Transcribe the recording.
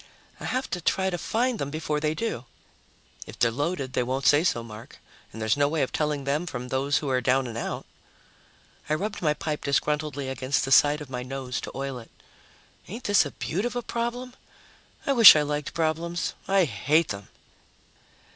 I have to try to find them before they do." "If they're loaded, they won't say so, Mark, and there's no way of telling them from those who are down and out." I rubbed my pipe disgruntledly against the side of my nose to oil it. "Ain't this a beaut of a problem? I wish I liked problems. I hate them."